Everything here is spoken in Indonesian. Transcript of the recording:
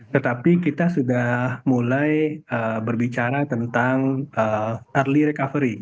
tetapi kita sudah mulai berbicara tentang early recovery